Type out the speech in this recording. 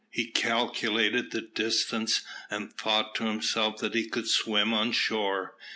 He calculated the distance, and thought to himself that he could swim on shore.